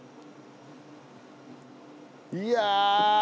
いや！